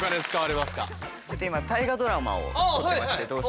ちょっと今「大河ドラマ」を撮ってまして「どうする家康」を。